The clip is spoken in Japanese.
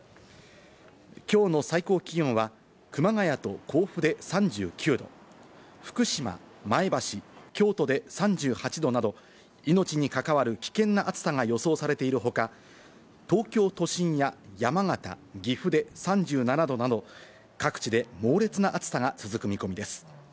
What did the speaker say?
きょうの最高気温は熊谷と甲府で３９度、福島、前橋、京都で３８度など命に関わる危険な暑さが予想されている他、東京都心や山形、岐阜で３７度など、各地で猛烈な暑さが続く見込みです。